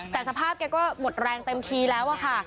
แต่สภาพแกก็หมดแรงเต็มทีแล้วอะค่ะ